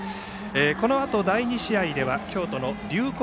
このあと第２試合では京都の龍谷